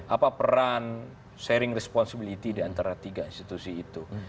apa peran sharing responsibility di antara tiga institusi itu